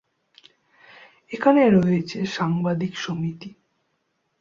এখানে রয়েছে সাংবাদিক সমিতি।